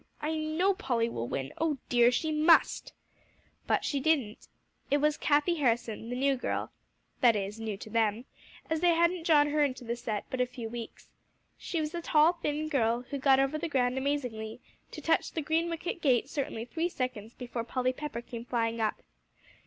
I know Polly will win; oh dear! She must." But she didn't. It was Cathie Harrison, the new girl; that is, new to them, as they hadn't drawn her into their set, but a few weeks. She was a tall, thin girl, who got over the ground amazingly, to touch the green wicket gate certainly three seconds before Polly Pepper came flying up.